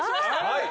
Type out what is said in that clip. はい！